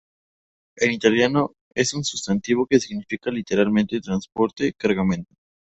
En italiano es un sustantivo que significa literalmente "transporte, cargamento".